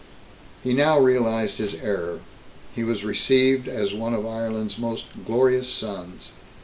He now realized his error. He was received as one of Ireland's most glorious sons.